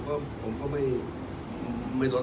คุณต้องใช้จิตสำนึก